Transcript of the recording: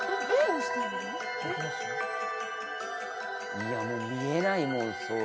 いやもう見えないもんそういうの。